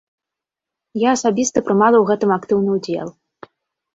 Я асабіста прымала ў гэтым актыўны ўдзел.